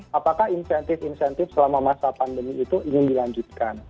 karena insentif insentif selama masa pandemi itu ingin dilanjutkan